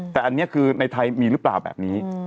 แต่อันนี้คือในไทยมีหรือเปล่าแบบนี้